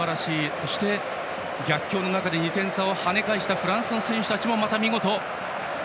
そして、逆境の中で２点差を跳ね返したフランスの選手たちも、また見事。